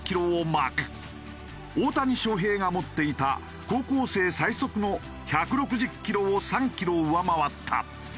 大谷翔平が持っていた高校生最速の１６０キロを３キロ上回った。